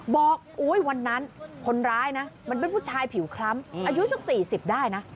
บอกวันนั้นคนร้ายนะมันเป็นผู้ชายผิวคล้ำอายุสัก๔๐ได้นะ